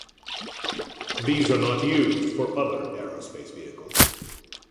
These are not used for other aerospace vehicles.